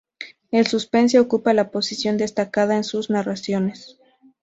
El suspense ocupa una posición destacada en sus narraciones.